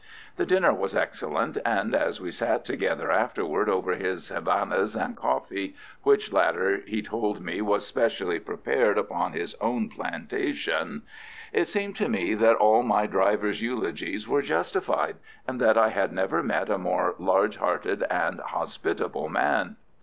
The dinner was excellent, and as we sat together afterwards over his Havanas and coffee, which latter he told me was specially prepared upon his own plantation, it seemed to me that all my driver's eulogies were justified, and that I had never met a more large hearted and hospitable man.